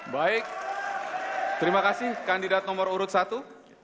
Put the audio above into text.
baik terima kasih kandidat nomor urut satu